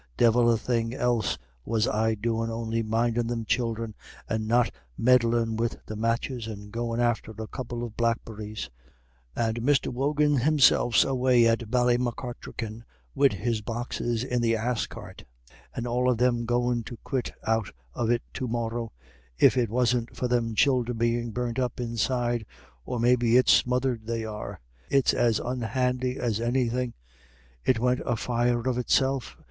Divil a thing else was I doin' on'y mindin' them childer, and not meddlin' wid the matches, and goin' after a couple of blackberries. And Mr. Wogan himself's away to Ballymacartrican wid his boxes in the ass cart. And all of them goin' to quit out of it to morra, if it wasn't for them childer bein' burnt up inside or maybe it's smothered they are. It's as unhandy as anythin'. It went afire of itself.